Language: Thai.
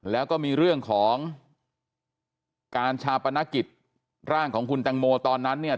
แล้วก็มีเรื่องของการชาปนกิจร่างของคุณแตงโมตอนนั้นเนี่ย